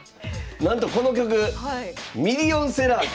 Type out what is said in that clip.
なんとこの曲ミリオンセラー記録してます。